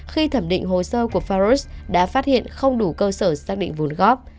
khi thẩm định hồ sơ của farus đã phát hiện không đủ cơ sở xác định vốn góp